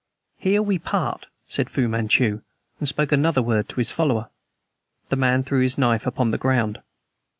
"Here we part," said Fu Manchu, and spoke another word to his follower. The man threw his knife upon the ground.